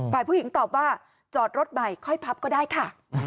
ฝ่ายผู้หญิงตอบว่าจอดรถใหม่ค่อยพับก็ได้ค่ะ